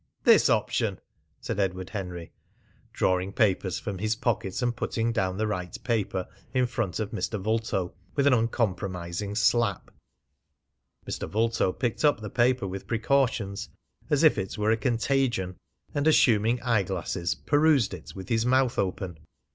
"This option!" said Edward Henry, drawing papers from his pocket and putting down the right paper in front of Mr. Vulto with an uncompromising slap. Mr. Vulto picked up the paper with precautions, as if it were a contagion, and, assuming eye glasses, perused it with his mouth open.